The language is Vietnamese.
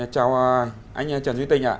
chào anh trần duy tình ạ